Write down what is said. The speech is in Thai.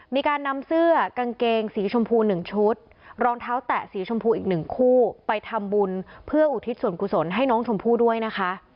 มีการนำเสื้อกางเกงสีชมพู๑ชุดรองเท้าแตะสีชมพูอีกหนึ่งคู่ไปทำบุญเพื่ออุทิศส่วนกุศลให้น้องชมพู่ด้วยนะคะ